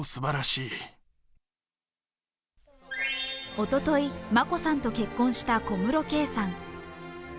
おととい、眞子さんと結婚した小室圭さん。